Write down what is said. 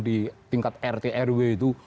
di tingkat rtrw itu